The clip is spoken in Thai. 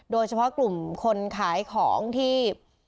โดยเฉพาะกลุ่มคนขายของที่